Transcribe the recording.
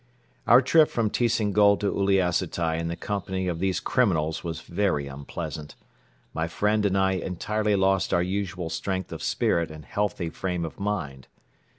Our trip from Tisingol to Uliassutai in the company of these criminals was very unpleasant. My friend and I entirely lost our usual strength of spirit and healthy frame of mind.